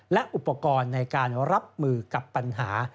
และอุปกรณ์ในการรับมือกับปัญหา